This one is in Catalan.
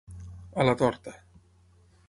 A la torta.